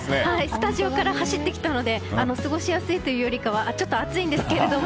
スタジオから走ってきたので過ごしやすいというよりかちょっと暑いんですけれども。